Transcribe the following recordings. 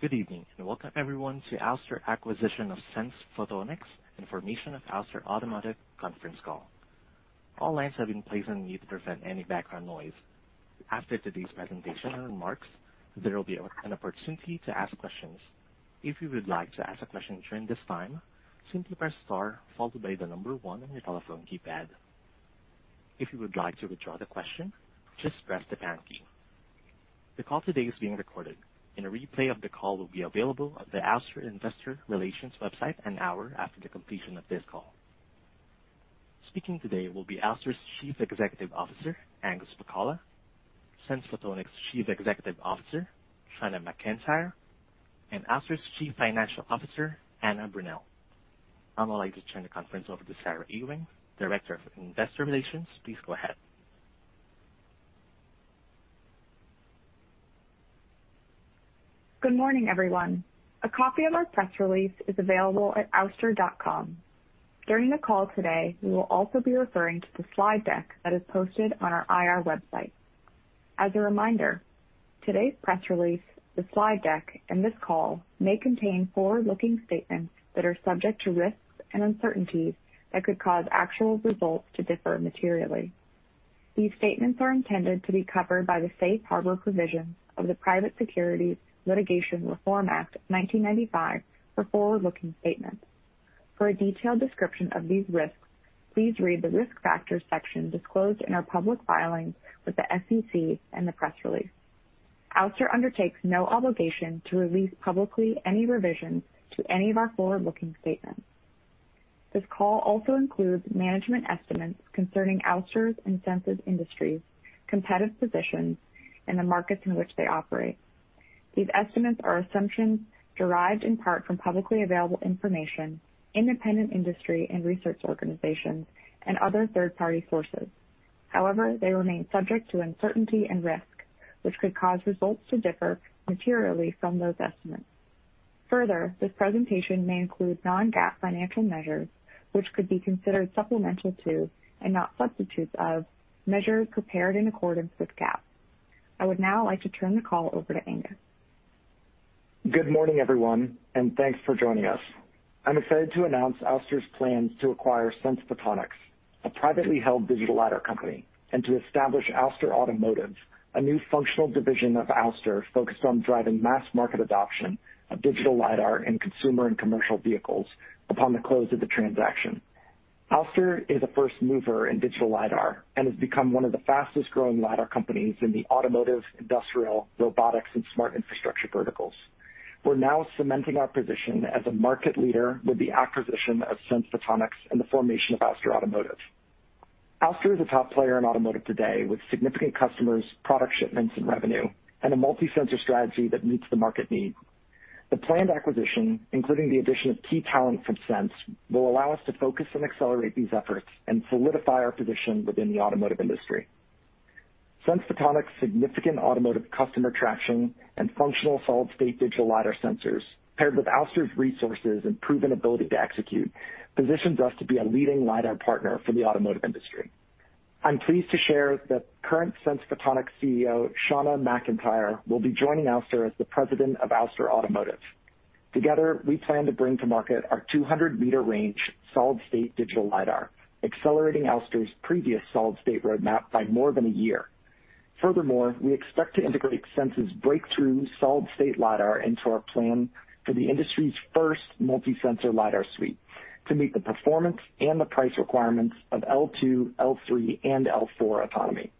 Good evening, and welcome everyone to Ouster Acquisition of Sense Photonics and Formation of Ouster Automotive Conference Call. All lines have been placed on mute to prevent any background noise. After today's presentation and remarks, there will be an opportunity to ask questions. If you would like to ask a question during this time, simply press star followed by one on your telephone keypad. If you would like to withdraw the question, just press the pound key. The call today is being recorded, and a replay of the call will be available on the Ouster investor relations website an hour after the completion of this call. Speaking today will be Ouster's Chief Executive Officer, Angus Pacala, Sense Photonics's Chief Executive Officer, Shauna McIntyre, and Ouster's Chief Financial Officer, Anna Brunelle. I would like to turn the conference over to Sarah Ewing, Director of Investor Relations. Please go ahead. Good morning, everyone. A copy of our press release is available at ouster.com. During the call today, we will also be referring to the slide deck that is posted on our IR website. As a reminder, today's press release, the slide deck, and this call may contain forward-looking statements that are subject to risks and uncertainties that could cause actual results to differ materially. These statements are intended to be covered by the safe harbor provisions of the Private Securities Litigation Reform Act of 1995 for forward-looking statements. For a detailed description of these risks, please read the Risk Factors section disclosed in our public filings with the SEC and the press release. Ouster undertakes no obligation to release publicly any revisions to any of our forward-looking statements. This call also includes management estimates concerning Ouster's and Sense's industries, competitive positions, and the markets in which they operate. These estimates are assumptions derived in part from publicly available information, independent industry and research organizations, and other third-party sources. However, they remain subject to uncertainty and risk, which could cause results to differ materially from those estimates. Further, this presentation may include non-GAAP financial measures, which could be considered supplemental to, and not substitutes of, measures prepared in accordance with GAAP. I would now like to turn the call over to Angus. Good morning, everyone, and thanks for joining us. I'm excited to announce Ouster's plans to acquire Sense Photonics, a privately held digital lidar company, and to establish Ouster Automotive, a new functional division of Ouster focused on driving mass market adoption of digital lidar in consumer and commercial vehicles upon the close of the transaction. Ouster is a first mover in digital lidar and has become one of the fastest-growing lidar companies in the automotive, industrial, robotics, and smart infrastructure verticals. We're now cementing our position as a market leader with the acquisition of Sense Photonics and the formation of Ouster Automotive. Ouster is a top player in automotive today with significant customers, product shipments, and revenue, and a multi-sensor strategy that meets the market need. The planned acquisition, including the addition of key talent from Sense, will allow us to focus and accelerate these efforts and solidify our position within the automotive industry. Sense Photonics' significant automotive customer traction and functional solid-state digital lidar sensors, paired with Ouster's resources and proven ability to execute, positions us to be a leading lidar partner for the automotive industry. I'm pleased to share that current Sense Photonics CEO, Shauna McIntyre, will be joining Ouster as the President of Ouster Automotive. Together, we plan to bring to market our 200-meter range solid-state digital lidar, accelerating Ouster's previous solid-state roadmap by more than a year. We expect to integrate Sense's breakthrough solid-state lidar into our plan for the industry's first multi-sensor lidar suite to meet the performance and the price requirements of L2, L3, and L4 autonomy.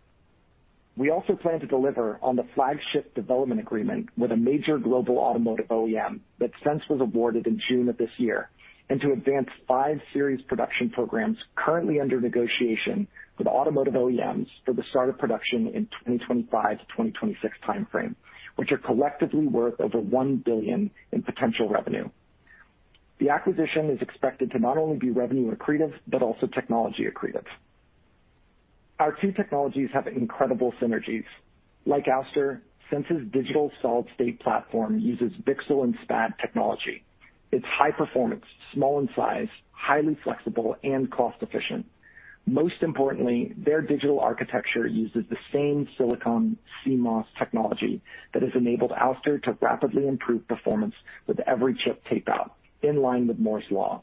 We also plan to deliver on the flagship development agreement with a major global automotive OEM that Sense was awarded in June of this year and to advance five series production programs currently under negotiation with automotive OEMs for the start of production in 2025-2026 timeframe, which are collectively worth over $1 billion in potential revenue. The acquisition is expected to not only be revenue accretive, but also technology accretive. Our two technologies have incredible synergies. Like Ouster, Sense's digital solid-state platform uses VCSEL and SPAD technology. It's high-performance, small in size, highly flexible, and cost-efficient. Most importantly, their digital architecture uses the same silicon CMOS technology that has enabled Ouster to rapidly improve performance with every chip tape out, in line with Moore's law.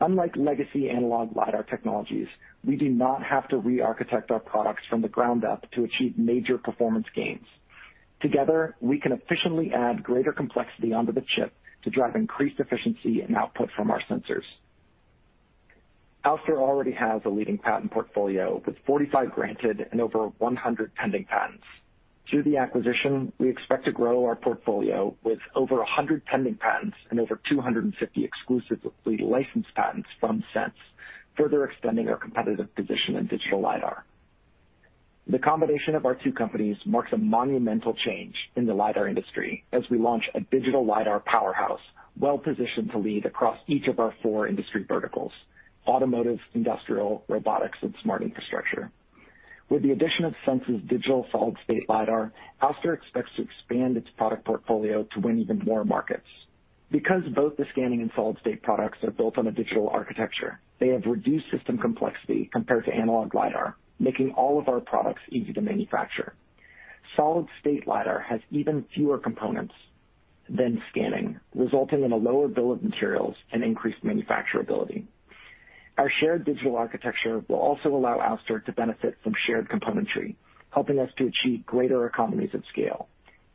Unlike legacy analog lidar technologies, we do not have to re-architect our products from the ground up to achieve major performance gains. Together, we can efficiently add greater complexity onto the chip to drive increased efficiency and output from our sensors. Ouster already has a leading patent portfolio with 45 granted and over 100 pending patents. Through the acquisition, we expect to grow our portfolio with over 100 pending patents and over 250 exclusively licensed patents from Sense, further extending our competitive position in digital lidar. The combination of our two companies marks a monumental change in the lidar industry as we launch a digital lidar powerhouse well-positioned to lead across each of our four industry verticals: automotive, industrial, robotics, and smart infrastructure. With the addition of Sense's digital solid-state lidar, Ouster expects to expand its product portfolio to win even more markets. Both the scanning and solid-state products are built on a digital architecture, they have reduced system complexity compared to analog LiDAR, making all of our products easy to manufacture. Solid-state LiDAR has even fewer components than scanning, resulting in a lower bill of materials and increased manufacturability. Our shared digital architecture will also allow Ouster to benefit from shared componentry, helping us to achieve greater economies of scale.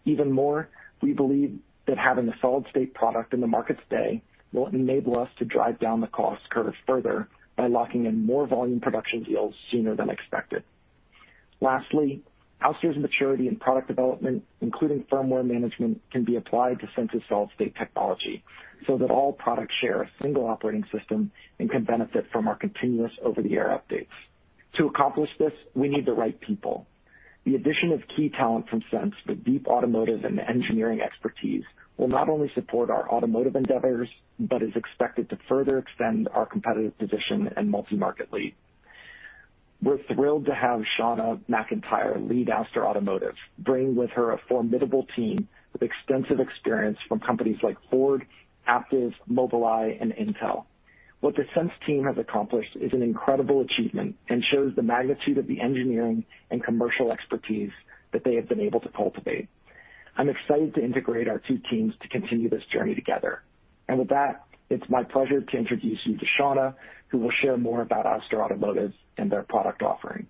Even more, we believe that having the solid-state product in the market today will enable us to drive down the cost curve further by locking in more volume production yields sooner than expected. Lastly, Ouster's maturity in product development, including firmware management, can be applied to Sense's solid-state technology so that all products share a single operating system and can benefit from our continuous over-the-air updates. To accomplish this, we need the right people. The addition of key talent from Sense with deep automotive and engineering expertise will not only support our automotive endeavors but is expected to further extend our competitive position and multi-market lead. We're thrilled to have Shauna McIntyre lead Ouster Automotive, bringing with her a formidable team with extensive experience from companies like Ford, Aptiv, Mobileye, and Intel. What the Sense team has accomplished is an incredible achievement and shows the magnitude of the engineering and commercial expertise that they have been able to cultivate. I'm excited to integrate our two teams to continue this journey together. With that, it's my pleasure to introduce you to Shauna, who will share more about Ouster Automotive and their product offering.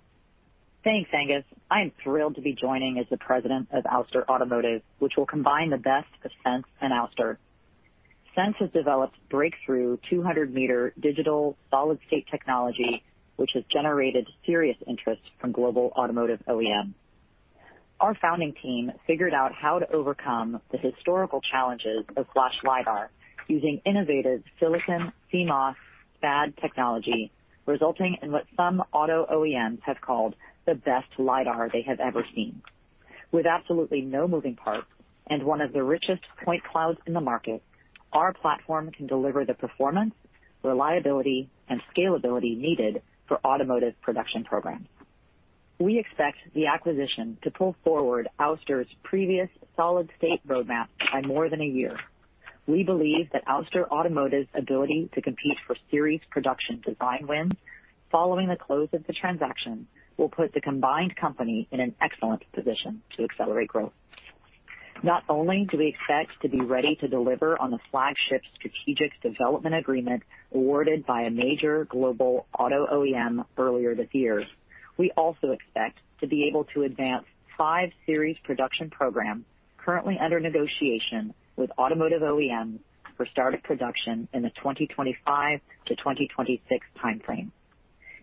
Thanks, Angus Pacala. I am thrilled to be joining as the President of Ouster Automotive, which will combine the best of Sense and Ouster. Sense has developed breakthrough 200-meter digital solid-state technology, which has generated serious interest from global automotive OEMs. Our founding team figured out how to overcome the historical challenges of flash LiDAR using innovative silicon CMOS SPAD technology, resulting in what some auto OEMs have called the best LiDAR they have ever seen. With absolutely no moving parts and one of the richest point clouds in the market, our platform can deliver the performance, reliability, and scalability needed for automotive production programs. We expect the acquisition to pull forward Ouster's previous solid-state roadmap by more than a year. We believe that Ouster Automotive's ability to compete for series production design wins following the close of the transaction will put the combined company in an excellent position to accelerate growth. Not only do we expect to be ready to deliver on the flagship strategic development agreement awarded by a major global auto OEM earlier this year, we also expect to be able to advance five series production programs currently under negotiation with automotive OEMs for start of production in the 2025-2026 timeframe.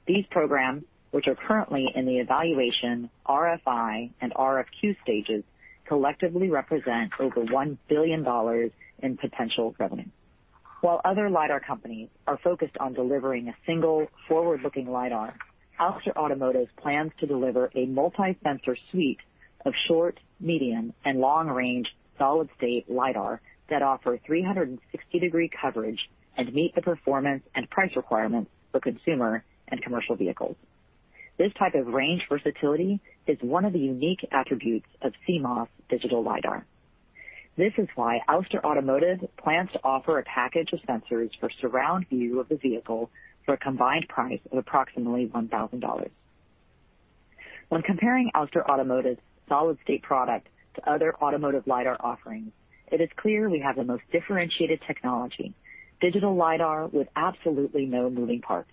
These programs, which are currently in the evaluation RFI and RFQ stages, collectively represent over $1 billion in potential revenue. While other LiDAR companies are focused on delivering a single forward-looking LiDAR, Ouster Automotive plans to deliver a multi-sensor suite of short, medium, and long-range solid-state LiDAR that offer 360-degree coverage and meet the performance and price requirements for consumer and commercial vehicles. This type of range versatility is one of the unique attributes of CMOS digital lidar. This is why Ouster Automotive plans to offer a package of sensors for surround view of the vehicle for a combined price of approximately $1,000. When comparing Ouster Automotive's solid-state product to other automotive lidar offerings, it is clear we have the most differentiated technology. Digital lidar with absolutely no moving parts.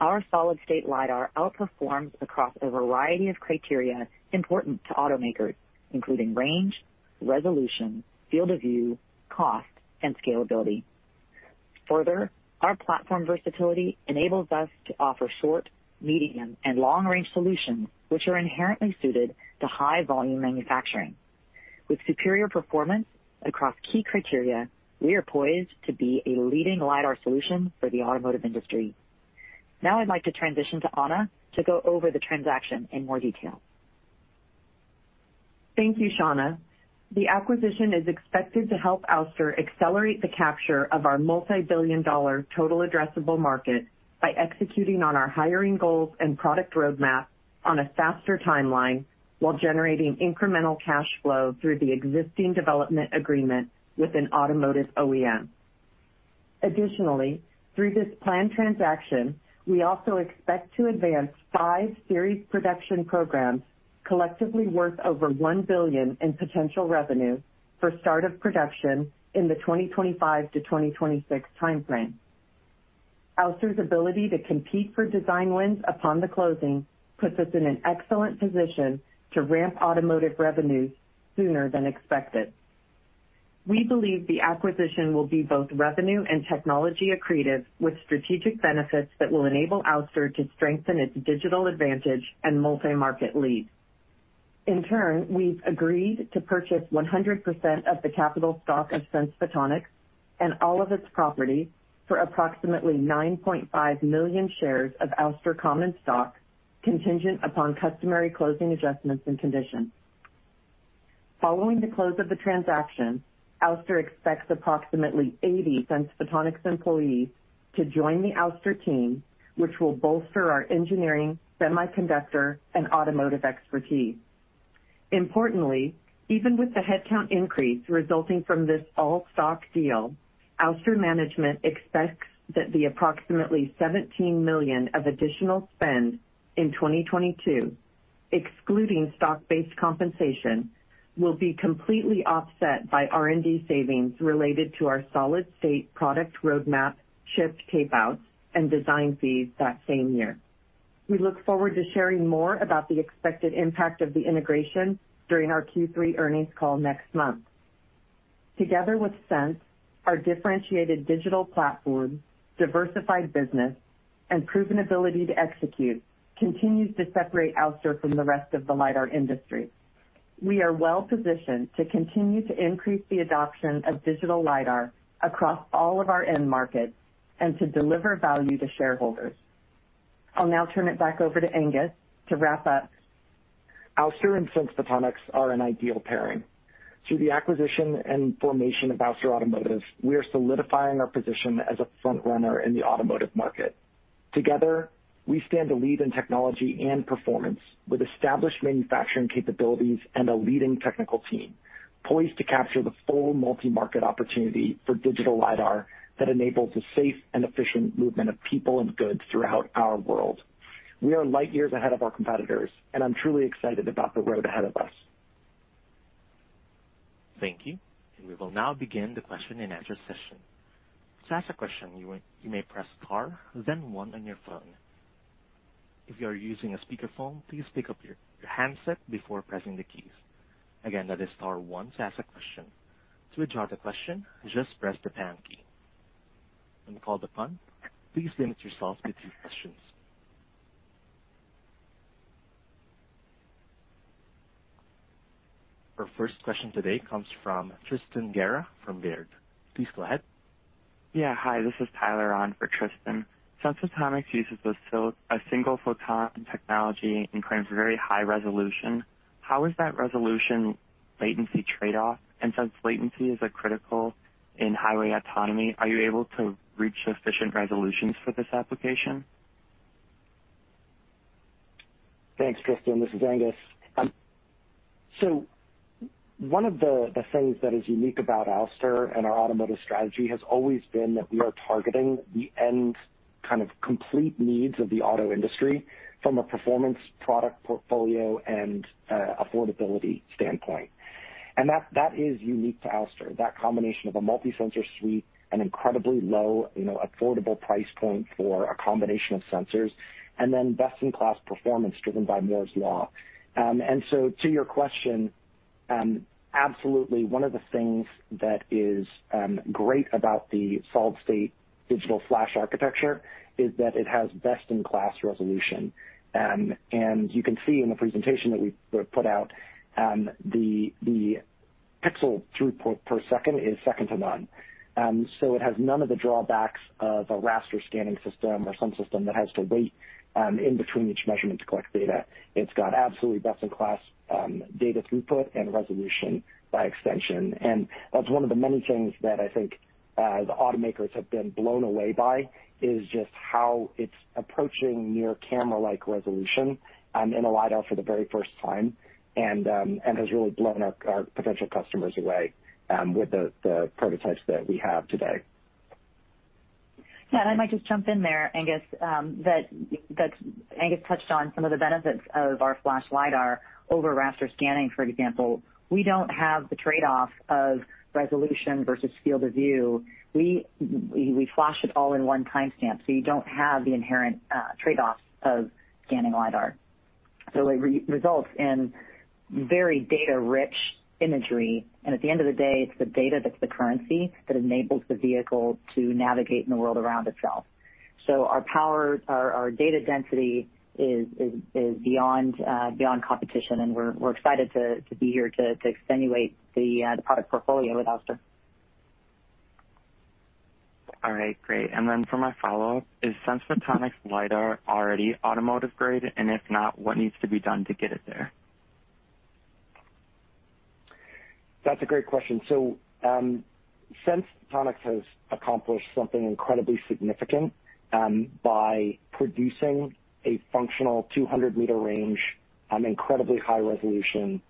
Our solid-state lidar outperforms across a variety of criteria important to automakers, including range, resolution, field of view, cost, and scalability. Further, our platform versatility enables us to offer short, medium, and long-range solutions, which are inherently suited to high-volume manufacturing. With superior performance across key criteria, we are poised to be a leading lidar solution for the automotive industry. I'd like to transition to Anna Brunelle to go over the transaction in more detail. Thank you, Shauna. The acquisition is expected to help Ouster accelerate the capture of our multi-billion dollar total addressable market by executing on our hiring goals and product roadmap on a faster timeline while generating incremental cash flow through the existing development agreement with an automotive OEM. Additionally, through this planned transaction, we also expect to advance five series production programs collectively worth over $1 billion in potential revenue for start of production in the 2025 to 2026 timeframe. Ouster's ability to compete for design wins upon the closing puts us in an excellent position to ramp automotive revenues sooner than expected. We believe the acquisition will be both revenue and technology accretive, with strategic benefits that will enable Ouster to strengthen its digital advantage and multi-market lead. In turn, we've agreed to purchase 100% of the capital stock of Sense Photonics and all of its property for approximately 9.5 million shares of Ouster common stock, contingent upon customary closing adjustments and conditions. Following the close of the transaction, Ouster expects approximately 80 Sense Photonics employees to join the Ouster team, which will bolster our engineering, semiconductor, and automotive expertise. Importantly, even with the headcount increase resulting from this all-stock deal, Ouster management expects that the approximately $17 million of additional spend in 2022, excluding stock-based compensation, will be completely offset by R&D savings related to our solid-state product roadmap shift tapeouts and design fees that same year. We look forward to sharing more about the expected impact of the integration during our Q3 earnings call next month. Together with Sense, our differentiated digital platform, diversified business, and proven ability to execute continues to separate Ouster from the rest of the lidar industry. We are well-positioned to continue to increase the adoption of digital lidar across all of our end markets and to deliver value to shareholders. I'll now turn it back over to Angus to wrap up. Ouster and Sense Photonics are an ideal pairing. Through the acquisition and formation of Ouster Automotive, we are solidifying our position as a frontrunner in the automotive market. Together, we stand to lead in technology and performance with established manufacturing capabilities and a leading technical team poised to capture the full multi-market opportunity for digital lidar that enables the safe and efficient movement of people and goods throughout our world. We are light years ahead of our competitors, and I'm truly excited about the road ahead of us. Thank you. We will now begin the question and answer session. To ask a question, you may press star then one on your phone. If you are using a speakerphone, please pick up your handset before pressing the keys. Again, that is star one to ask a question. To withdraw the question, just press the pound key. When called upon, please limit yourself to two questions. Our first question today comes from Tristan Gerra from Baird. Please go ahead. Yeah. Hi, this is Tyler on for Tristan. Sense Photonics uses a single photon technology and claims very high resolution. How is that resolution latency trade-off? Since latency is critical in highway autonomy, are you able to reach sufficient resolutions for this application? Thanks, Tristan. This is Angus. One of the things that is unique about Ouster and our automotive strategy has always been that we are targeting the end complete needs of the auto industry from a performance product portfolio and affordability standpoint. That is unique to Ouster, that combination of a multi-sensor suite, an incredibly low, affordable price point for a combination of sensors, then best-in-class performance driven by Moore's law. To your question, absolutely. One of the things that is great about the solid-state digital flash architecture is that it has best-in-class resolution. You can see in the presentation that we put out, the pixel throughput per second is second to none. It has none of the drawbacks of a raster scanning system or some system that has to wait in between each measurement to collect data. It's got absolutely best-in-class data throughput and resolution by extension. That's one of the many things that I think the automakers have been blown away by, is just how it's approaching near camera-like resolution in a lidar for the very first time, and has really blown our potential customers away with the prototypes that we have today. I might just jump in there, Angus Pacala. Angus Pacala touched on some of the benefits of our flash lidar over raster scanning, for example. We don't have the trade-off of resolution versus field of view. We flash it all in one timestamp, you don't have the inherent trade-offs of scanning lidar. It results in very data-rich imagery. At the end of the day, it's the data that's the currency that enables the vehicle to navigate in the world around itself. Our data density is beyond competition, and we're excited to be here to extenuate the product portfolio with Ouster. All right, great. For my follow-up, is Sense Photonics lidar already automotive-grade? If not, what needs to be done to get it there? That's a great question. Sense Photonics has accomplished something incredibly significant by producing a functional 200-meter range, incredibly high resolution,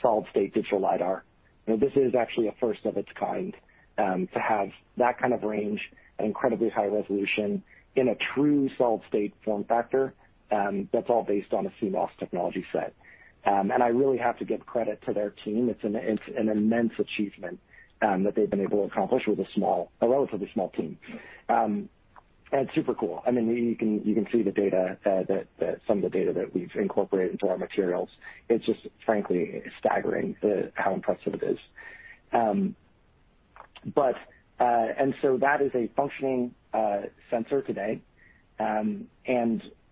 solid-state digital lidar. This is actually a first of its kind to have that kind of range at incredibly high resolution in a true solid-state form factor. That's all based on a CMOS technology set. I really have to give credit to their team. It's an immense achievement that they've been able to accomplish with a relatively small team. Super cool. You can see some of the data that we've incorporated into our materials. It's just frankly staggering how impressive it is. That is a functioning sensor today.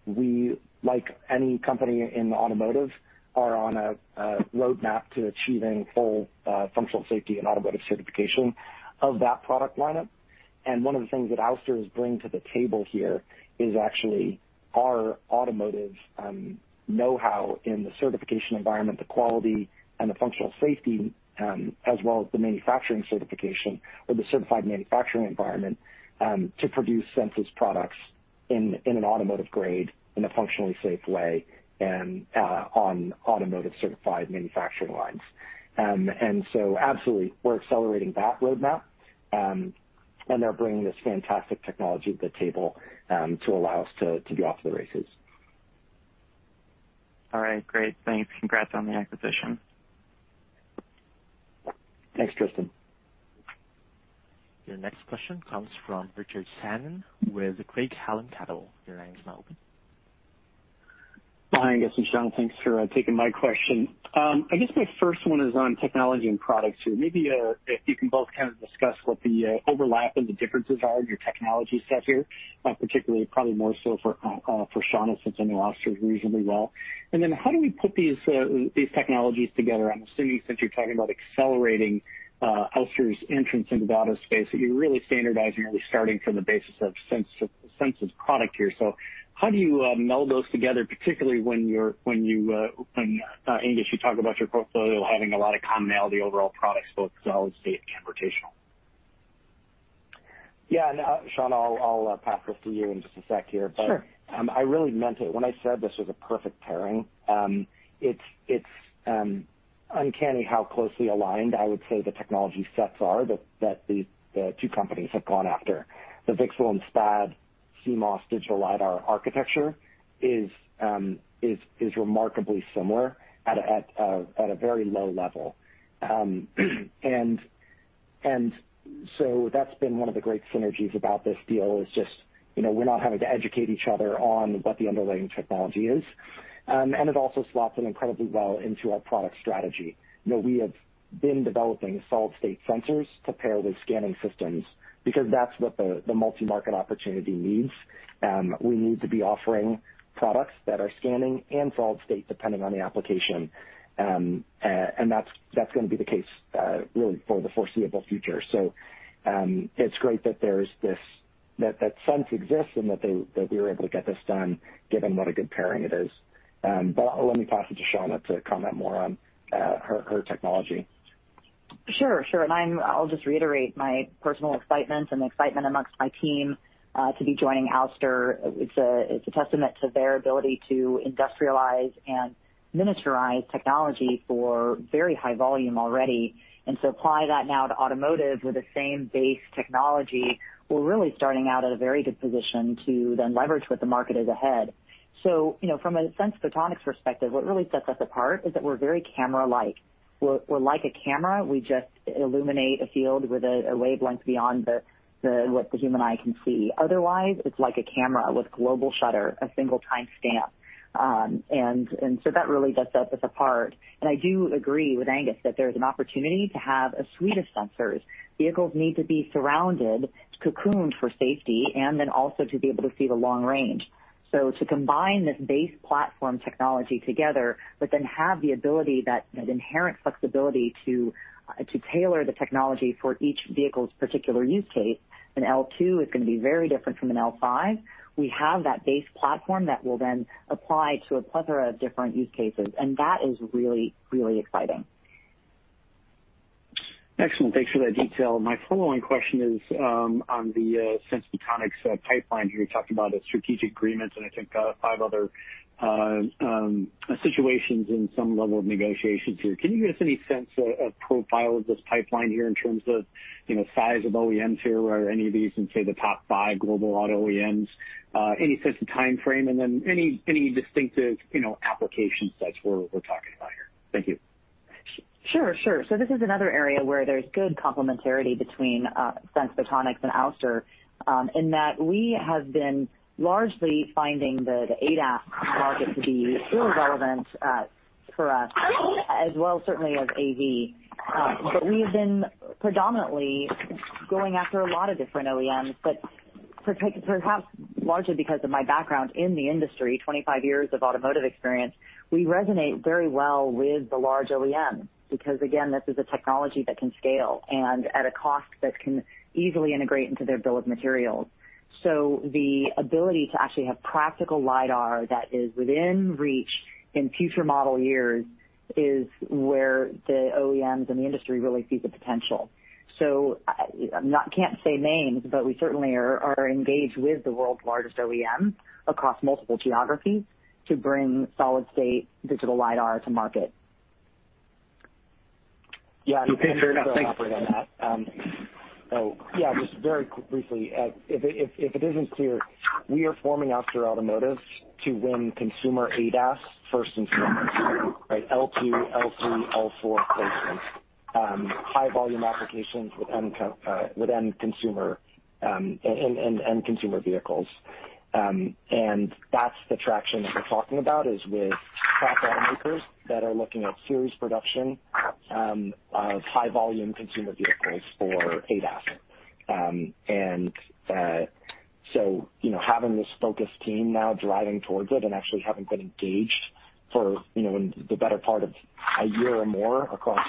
We, like any company in automotive, are on a roadmap to achieving full functional safety and automotive certification of that product lineup. One of the things that Ouster is bringing to the table here is actually our automotive know-how in the certification environment, the quality, and the functional safety, as well as the manufacturing certification or the certified manufacturing environment to produce Sense's products in an automotive grade, in a functionally safe way, and on automotive certified manufacturing lines. Absolutely, we're accelerating that roadmap, and they're bringing this fantastic technology to the table to allow us to be off to the races. All right, great. Thanks. Congrats on the acquisition. Thanks, Tristan. Your next question comes from Richard Shannon with Craig-Hallum Capital. Your line is now open. Hi, Angus and Shauna. Thanks for taking my question. I guess my first one is on technology and products here. Maybe if you can both kind of discuss what the overlap and the differences are in your technology set here. Particularly, probably more so for Shauna, since I know Ouster reasonably well. Then how do we put these technologies together? I'm assuming since you're talking about accelerating Ouster's entrance into the auto space, that you're really standardizing, really starting from the basis of Sense's product here. How do you meld those together, particularly when, Angus, you talk about your portfolio having a lot of commonality overall products, both solid state and rotational? Yeah. Shauna, I'll pass this to you in just a sec here. Sure. I really meant it when I said this was a perfect pairing. It's uncanny how closely aligned I would say the technology sets are that the two companies have gone after. The VCSEL and SPAD CMOS digital lidar architecture is remarkably similar at a very low level. That's been one of the great synergies about this deal is just we're not having to educate each other on what the underlying technology is. It also slots in incredibly well into our product strategy. We have been developing solid state sensors to pair with scanning systems because that's what the multi-market opportunity needs. We need to be offering products that are scanning and solid state, depending on the application. That's going to be the case really for the foreseeable future. It's great that Sense exists and that we were able to get this done given what a good pairing it is. Let me pass it to Shauna to comment more on her technology. Sure. I'll just reiterate my personal excitement and the excitement amongst my team to be joining Ouster. It's a testament to their ability to industrialize and miniaturize technology for very high volume already. To apply that now to automotive with the same base technology, we're really starting out at a very good position to then leverage what the market is ahead. From a Sense Photonics perspective, what really sets us apart is that we're very camera-like. We're like a camera. We just illuminate a field with a wavelength beyond what the human eye can see. Otherwise, it's like a camera with global shutter, a one timestamp. That really sets us apart. I do agree with Angus that there's an opportunity to have a suite of sensors. Vehicles need to be surrounded, cocooned for safety, and then also to be able to see the long range. To combine this base platform technology together, but then have the ability, that inherent flexibility to tailor the technology for each vehicle's particular use case. An L2 is going to be very different from an L5. We have that base platform that we'll then apply to a plethora of different use cases, and that is really exciting. Excellent. Thanks for that detail. My following question is on the Sense Photonics pipeline here. You talked about a strategic agreement and I think five other situations in some level of negotiations here. Can you give us any sense of profile of this pipeline here in terms of size of OEMs here? Are any of these in, say, the top five global auto OEMs? Any sense of timeframe, any distinctive application sets we're talking about here? Thank you. Sure. This is another area where there's good complementarity between Sense Photonics and Ouster, in that we have been largely finding the ADAS market to be really relevant for us as well, certainly as AV. We have been predominantly going after a lot of different OEMs, but perhaps largely because of my background in the industry, 25 years of automotive experience, we resonate very well with the large OEMs because, again, this is a technology that can scale and at a cost that can easily integrate into their bill of materials. The ability to actually have practical lidar that is within reach in future model years is where the OEMs and the industry really see the potential. I can't say names, but we certainly are engaged with the world's largest OEMs across multiple geographies to bring solid state digital lidar to market. Yeah. Just very briefly, if it isn't clear, we are forming Ouster Automotive to win consumer ADAS first instance, right? L2, L3, L4 placements. High volume applications with end consumer vehicles. That's the traction that we're talking about is with top automakers that are looking at series production of high volume consumer vehicles for ADAS. Having this focused team now driving towards it and actually having been engaged for the better part of a year or more across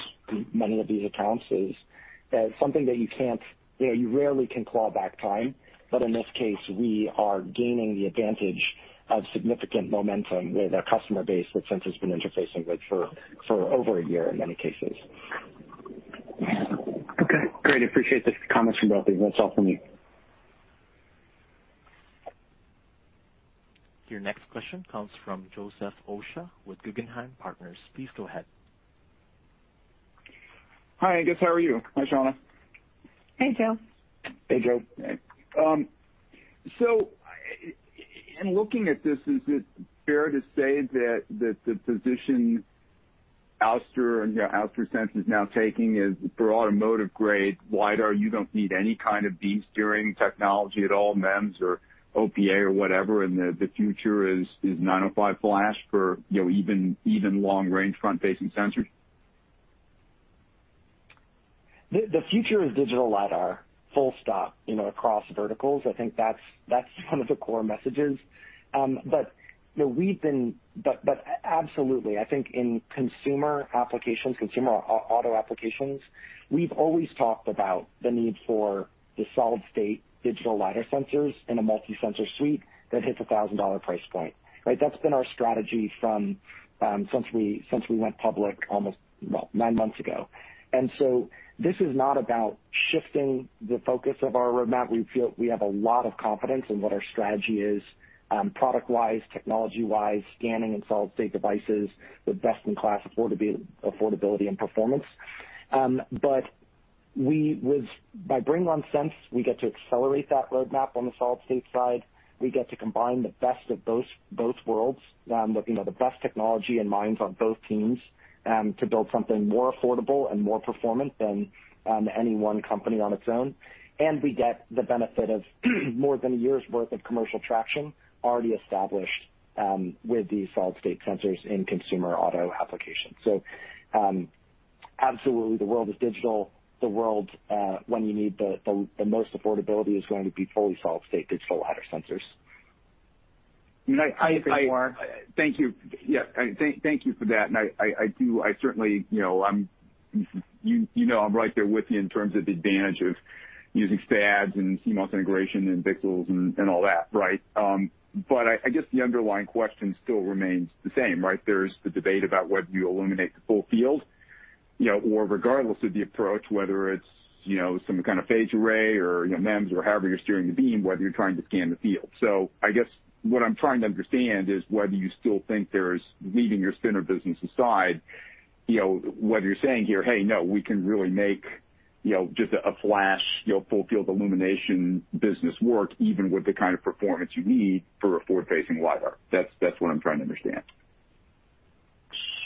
many of these accounts is something that you rarely can claw back time. In this case, we are gaining the advantage of significant momentum with a customer base that Sense has been interfacing with for over a year in many cases. Okay, great. I appreciate the comments from both of you. That's all from me. Your next question comes from Joseph Osha with Guggenheim Partners. Please go ahead. Hi, Angus. How are you? Hi, Shauna. Hey, Joe. Hey, Joe. Hey. In looking at this, is it fair to say that the position Ouster and Ouster Sense is now taking is for automotive grade lidar, you don't need any kind of beam steering technology at all, MEMS or OPA or whatever, and the future is 905 flash for even long-range front-facing sensors? The future is digital lidar, full stop, across verticals. I think that's one of the core messages. Absolutely. I think in consumer applications, consumer auto applications, we've always talked about the need for the solid state digital lidar sensors in a multi-sensor suite that hits $1,000 price point, right? That's been our strategy since we went public almost nine months ago. This is not about shifting the focus of our roadmap. We feel we have a lot of confidence in what our strategy is product-wise, technology-wise, scanning and solid state devices with best in class affordability and performance. By bringing on Sense, we get to accelerate that roadmap on the solid state side. We get to combine the best of both worlds with the best technology and minds on both teams to build something more affordable and more performant than any one company on its own. We get the benefit of more than a year's worth of commercial traction already established with the solid state sensors in consumer auto applications. Absolutely the world is digital. The world when you need the most affordability is going to be fully solid state digital lidar sensors. Thank you. Yeah, thank you for that. I certainly, you know I'm right there with you in terms of the advantage of using SPAD and CMOS integration and pixels and all that, right? I guess the underlying question still remains the same, right? There's the debate about whether you illuminate the full field, or regardless of the approach, whether it's some kind of phase array or MEMS or however you're steering the beam, whether you're trying to scan the field. I guess what I'm trying to understand is whether you still think there's, leaving your spinner business aside, whether you're saying here, "Hey, no, we can really make just a flash full field illumination business work, even with the kind of performance you need for a forward-facing lidar." That's what I'm trying to understand.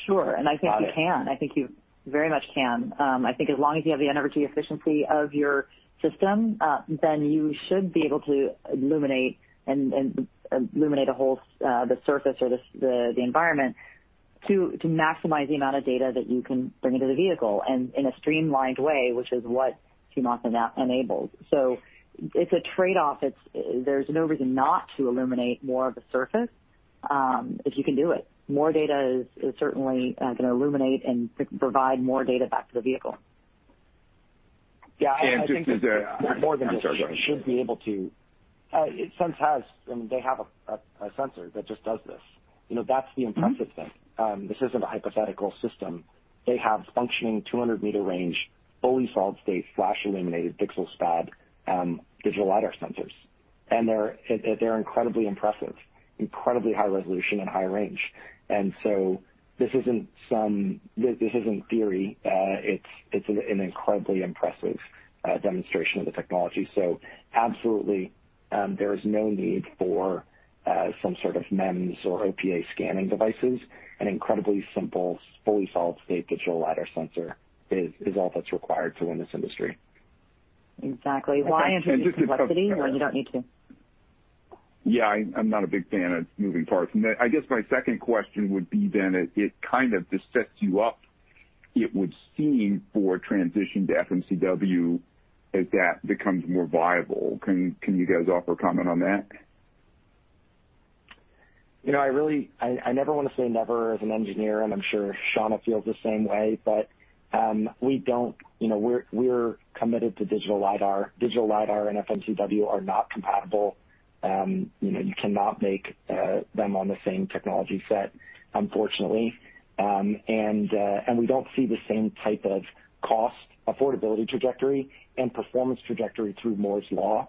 Sure. I think you can. I think you very much can. I think as long as you have the energy efficiency of your system, then you should be able to illuminate the surface or the environment to maximize the amount of data that you can bring into the vehicle and in a streamlined way, which is what CMOS enables. It's a trade-off. There's no reason not to illuminate more of a surface if you can do it. More data is certainly going to illuminate and provide more data back to the vehicle. Yeah. More than should be able to. Sense has, I mean, they have a sensor that just does this. That's the impressive thing. This isn't a hypothetical system. They have functioning 200-meter range, fully solid state, flash illuminated pixel SPAD digital lidar sensors. They're incredibly impressive, incredibly high resolution and high range. This isn't theory. It's an incredibly impressive demonstration of the technology. Absolutely, there is no need for some sort of MEMS or OPA scanning devices. An incredibly simple, fully solid state digital lidar sensor is all that's required to win this industry. Exactly. Why introduce complexity when you don't need to? Yeah, I'm not a big fan of moving parts. I guess my second question would be then, it kind of just sets you up, it would seem, for a transition to FMCW as that becomes more viable. Can you guys offer a comment on that? I never want to say never as an engineer, and I'm sure Shauna feels the same way, but we're committed to digital lidar. Digital lidar and FMCW are not compatible. You cannot make them on the same technology set, unfortunately. We don't see the same type of cost affordability trajectory and performance trajectory through Moore's law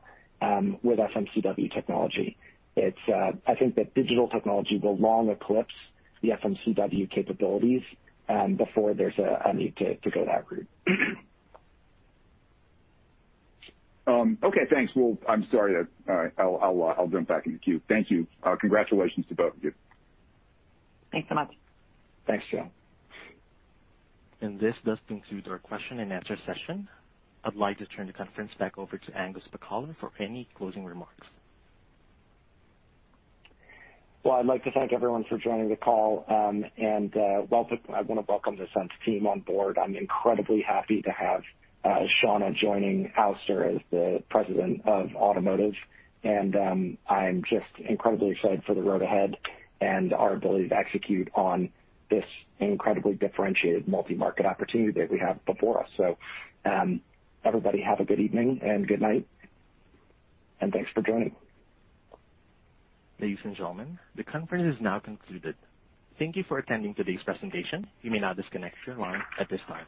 with FMCW technology. I think that digital technology will long eclipse the FMCW capabilities before there's a need to go that route. Okay, thanks. Well, I'm sorry. I'll jump back in the queue. Thank you. Congratulations to both of you. Thanks so much. Thanks, Joe. This does conclude our question and answer session. I'd like to turn the conference back over to Angus Pacala for any closing remarks. Well, I'd like to thank everyone for joining the call. I want to welcome the Sense team on board. I'm incredibly happy to have Shauna joining Ouster as the President of Automotive. I'm just incredibly excited for the road ahead and our ability to execute on this incredibly differentiated multi-market opportunity that we have before us. Everybody have a good evening and good night, and thanks for joining. Ladies and gentlemen, the conference is now concluded. Thank you for attending today's presentation. You may now disconnect your line at this time.